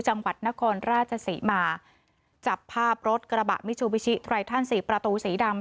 จังหวัดนครราชศรีมาจับภาพรถกระบะมิซูบิชิไทรทันสี่ประตูสีดำ